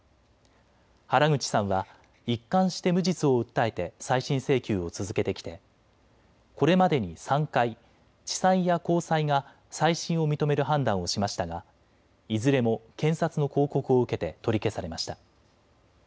原口さんは一貫して無実を訴えて再審請求を続けてきてこれまでに３回、地裁や高裁が再審を認める判断をしましたがいずれも検察の抗告を受けて取り消されました。